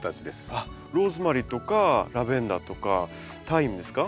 あっローズマリーとかラベンダーとかタイムですか？